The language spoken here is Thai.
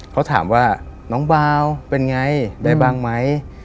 เขาถามว่าน้องเบาเป็นไงได้บ้างไหม